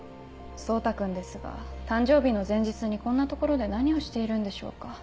蒼汰君ですが誕生日の前日にこんな所で何をしているんでしょうか。